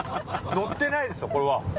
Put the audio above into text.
ノってないですよコレは。